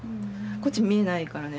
こっち見えないからね